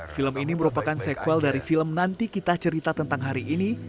film ini merupakan sekuel dari film nanti kita cerita tentang hari ini